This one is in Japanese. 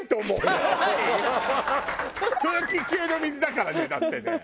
空気中の水だからねだってね。